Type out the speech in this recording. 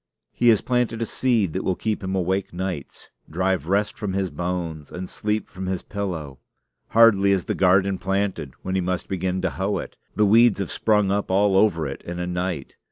He has planted a seed that will keep him awake nights, drive rest from his bones, and sleep from his pillow. Hardly is the garden planted, when he must begin to hoe it. The weeds have sprung up all over it in a night.